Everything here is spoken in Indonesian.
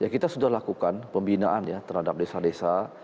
kita sudah lakukan pembinaan ya terhadap desa desa